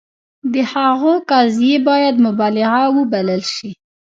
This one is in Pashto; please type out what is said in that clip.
د هغه قضیې باید مبالغه وبلل شي.